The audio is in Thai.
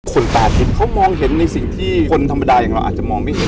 ตาทิพย์เขามองเห็นในสิ่งที่คนธรรมดาอย่างเราอาจจะมองไม่เห็น